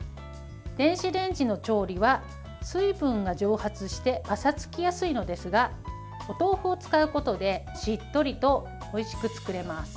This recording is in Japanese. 電子レンジの調理は水分が蒸発してパサつきやすいのですがお豆腐を使うことでしっとりとおいしく作れます。